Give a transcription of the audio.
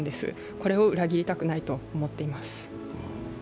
これを裏切りたくないと思っています。